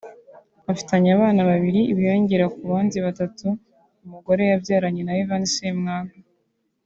Bafitanye abana babiri biyongera ku bandi batatu umugore yabyaranye na Ivan Ssemwanga